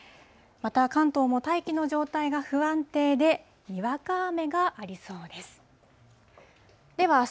また関東も大気の状態が不安定で、にわか雨がありそうです。